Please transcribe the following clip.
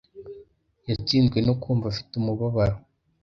Yatsinzwe no kumva afite umubabaro.